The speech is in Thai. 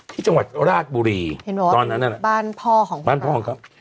ที่จังหวัดราชบุรีตอนนั้นนั่นแหละบ้านพ่อของคุณครับ